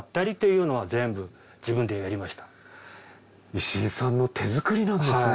石井さんの手作りなんですね。